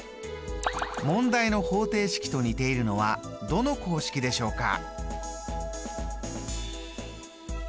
問題の方程式と似ているのはどの公式でしょうか？